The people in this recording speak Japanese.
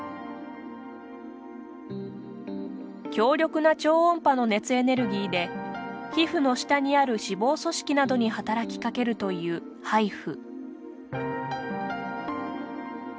強力な超音波の熱エネルギーで皮膚の下にある脂肪組織などに働きかけるというハイフ。